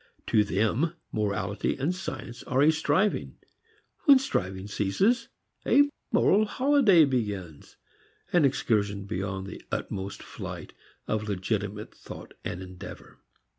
To them morality and science are a striving; when striving ceases a moral holiday begins, an excursion beyond the utmost flight of legitimate thought and endeavor.